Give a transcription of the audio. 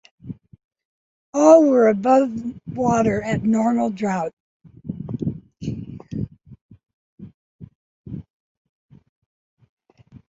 All were above water at normal draught.